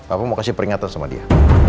aku mau kasih peringatan sama dia